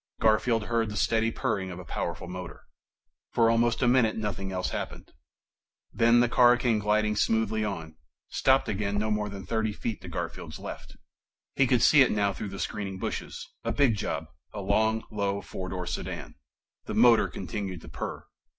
Garfield heard the steady purring of a powerful motor. For almost a minute, nothing else happened. Then the car came gliding smoothly on, stopped again no more than thirty feet to Garfield's left. He could see it now through the screening bushes a big job, a long, low four door sedan. The motor continued to purr.